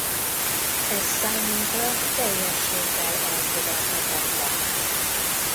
Ez számunkra teljességgel elfogadhatatlan!